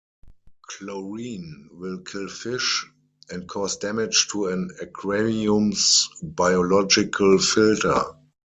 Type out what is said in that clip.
Chlorine will kill fish, and cause damage to an aquarium's biological filter.